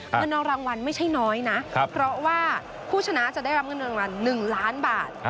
เงินรางวัลไม่ใช่น้อยนะเพราะว่าผู้ชนะจะได้รับเงินรางวัล๑ล้านบาท